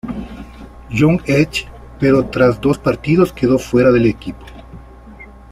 John's Edge, pero tras dos partidos quedó fuera del equipo.